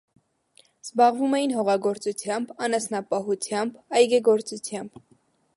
Զբաղվում էին հողագործությամբ, անասնապահությամբ, այգեգործությամբ։